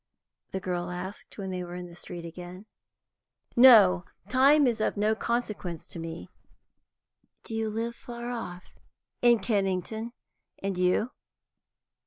the girl asked, when they were in the street again. "No; time is of no consequence to me." "Do you live far off?" "In Kennington. And you?"